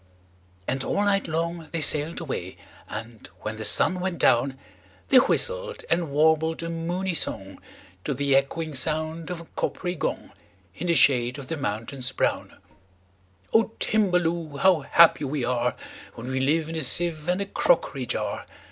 And all night long they sail'd away; And, when the sun went down, They whistled and warbled a moony songTo the echoing sound of a coppery gong, In the shade of the mountains brown,"O Timballoo! how happy we areWhen we live in a sieve and a crockery jar!